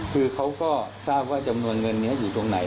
คือเขาก็ทราบว่าจำนวนเงินนี้อยู่ตรงไหน